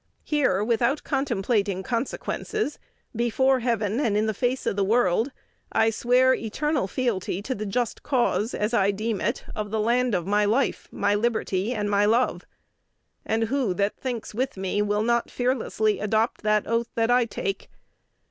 Here, without contemplating consequences, before Heaven and in face of the world, I swear eternal fealty to the just cause, as I deem it, of the land of my life, my liberty, and my love. And who that thinks with me will not fearlessly adopt that oath that I take?